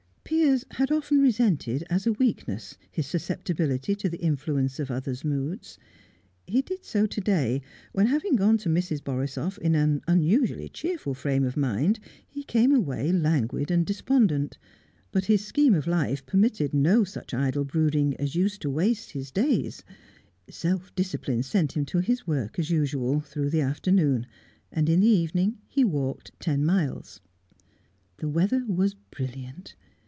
Piers had often resented, as a weakness, his susceptibility to the influence of others' moods; he did so to day, when having gone to Mrs. Borisoff in an unusually cheerful frame of mind, he came away languid and despondent. But his scheme of life permitted no such idle brooding as used to waste his days; self discipline sent him to his work, as usual, through the afternoon, and in the evening he walked ten miles. The weather was brilliant.